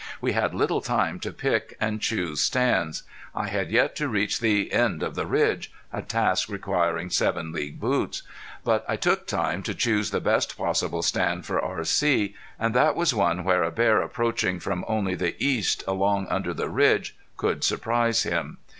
We had little time to pick and choose stands. I had yet to reach the end of the ridge a task requiring seven league boots. But I took time to choose the best possible stand for R.C. and that was one where a bear approaching from only the east along under the ridge could surprise him.